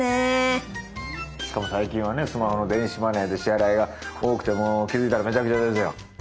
しかも最近はねスマホの電子マネーで支払いが多くてもう気づいたらメチャメチャですよ。